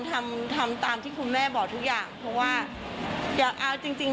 ทำทำตามที่คุณแม่บอกทุกอย่างเพราะว่าอยากเอาจริงจริง